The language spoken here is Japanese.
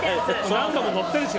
何度も乗ってるし。